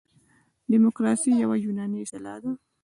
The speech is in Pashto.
دموکراسي یوه یوناني اصطلاح ده.